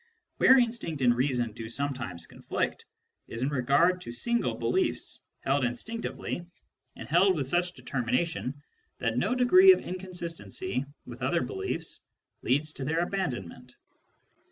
Where instinct and reason do sometimes conflict is in regard to single beliefs, held instinctively, and held with such determination that no degree of inconsistency with other beliefs leads to their abandonment.